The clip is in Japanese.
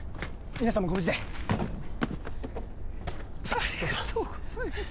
皆さんもご無事でさあどうぞありがとうございます